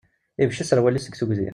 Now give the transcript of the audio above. Ibecc aserwal-is seg tugdi.